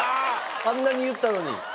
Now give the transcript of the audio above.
あんなに言ったのに。